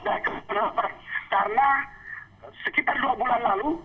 karena sekitar dua bulan lalu